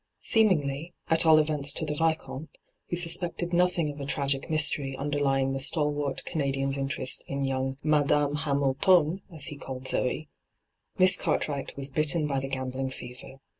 Seemingly — at all events to the Vioomte, who suspected nothing of a tragic mystery underlying the stalwart Canadian's interest in young 'Madame Hamil tone,' as he called Zoe — Miss Cartwright was bitten by the gambling fever.